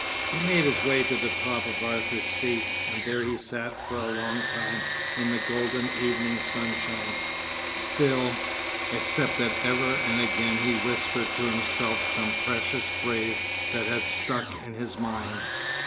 He made his way to the top of Arthur's Seat, and there he sat for a long time in the golden evening sunshine, still, except that ever and again he whispered to himself some precious phrase that had stuck in his mind.